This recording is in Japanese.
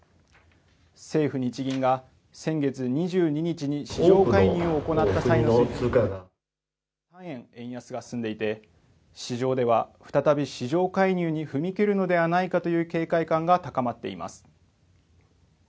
政府・日銀が先月２２日に市場介入を行い円安が進んでいて市場では再び市場介入に踏み切るのではないかという警戒感が高まっています。